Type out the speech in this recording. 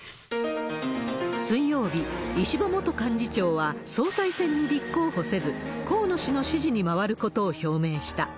水曜日、石破元幹事長は総裁選に立候補せず、河野氏の支持に回ることを表明した。